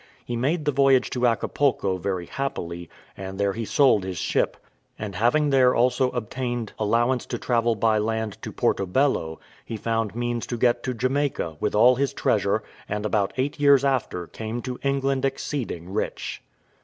He made the voyage to Acapulco very happily, and there he sold his ship: and having there also obtained allowance to travel by land to Porto Bello, he found means to get to Jamaica, with all his treasure, and about eight years after came to England exceeding rich.